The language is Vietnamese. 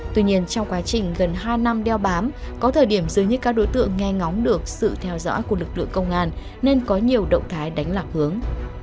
tuy nhiên trong quá trình gần hai năm đeo bám có thời điểm dưới nhất các đối tượng nghe ngóng được sự theo dõi của lực lượng công an nên có nhiều động thái đánh lạc hướng